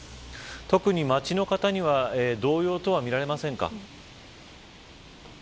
特に街の方には動揺等は見られませんか。